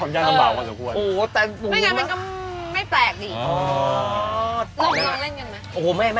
่ลองมาครองเล่นกันไหม